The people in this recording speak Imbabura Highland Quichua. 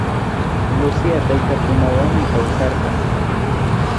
Lucía taytakunawanmi kawsarka